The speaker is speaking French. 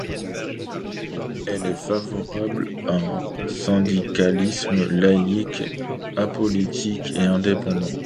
Elle est favorable à un syndicalisme laïc, apolitique et indépendant.